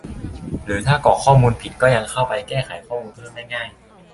หรือถ้ากรอกข้อมูลผิดก็ยังเข้าไปแก้ไขข้อมูลเพิ่มเติมได้ง่าย